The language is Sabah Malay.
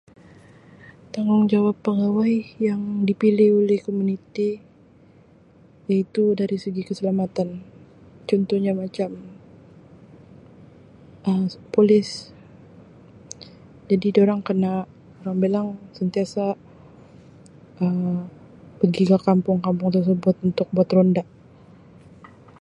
Tanggungjawab pegawai yang dipilih oleh komuniti iaitu dari segi keselamatan contohnya macam Um polis jadi dorang kena orang bilang sentiasa Um pergi ke kampung-kampung tersebut untuk buat ronda.